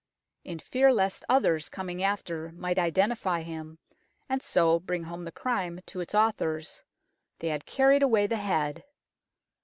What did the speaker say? In fear lest others coming after might identify him, and so bring home the crime to its authors, they had carried away the head.